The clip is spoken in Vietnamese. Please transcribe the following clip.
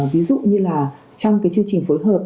ví dụ như là trong chương trình phối hợp